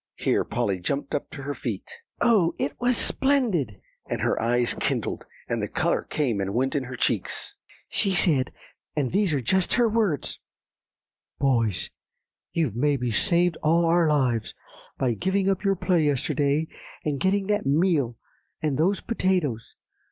Here Polly jumped up to her feet. "Oh, it was so splendid!" and her eyes kindled, and the color came and went in her cheeks; "she said, and these are just her words, 'Boys, you've maybe saved all our lives, by giving up your play yesterday, and getting that meal and those potatoes.